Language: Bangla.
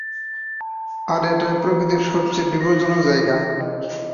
আর এটাই প্রকৃতির সবচেয়ে বিপজ্জনক জায়গা।